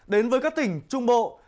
đến với các tỉnh trung bộ